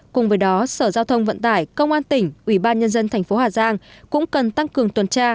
cùng với đó sở giao thông vận tải công an tỉnh ủy ban nhân dân thành phố hà giang cũng cần tăng cường tuần tra